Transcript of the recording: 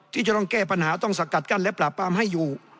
ที่จะต้องแก้ปัญหาต้องสกัดกั้นและปราบปรามให้อยู่